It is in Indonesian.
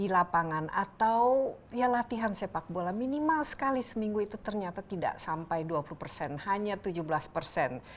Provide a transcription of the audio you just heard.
latihan sepak bola minimal sekali seminggu itu ternyata tidak sampai dua puluh persen hanya tujuh belas persen